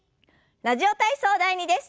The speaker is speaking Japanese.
「ラジオ体操第２」です。